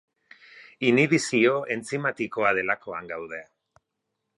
Inhibizio entzimatikoa delakoan gaude.